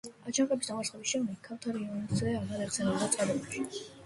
აჯანყების დამარცხების შემდეგ ქავთარ ივანეს ძე აღარ იხსენიება წყაროებში.